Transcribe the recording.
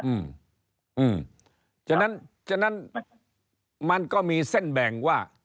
อืมจนั้นมันก็มีเส้นแบ่งว่า